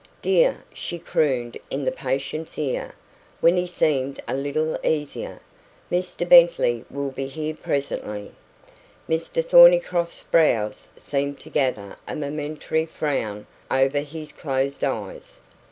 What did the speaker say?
"Dear," she crooned in the patient's ear, when he seemed a little easier, "Mr Bentley will be here presently." Mr Thornycroft's brows seemed to gather a momentary frown over his closed eyes.